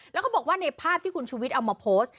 แล้วก็บอกว่าในภาพที่คุณชูวิทย์เอามาโพสต์